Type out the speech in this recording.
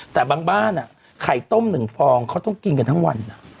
แต่บางบ้านไข่ต้ม๑ฟองเขาต้องกินกันทั้งวัน